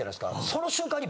その瞬間に。